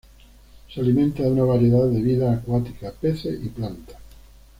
Se alimenta de una variedad de vida acuática, peces y plantas.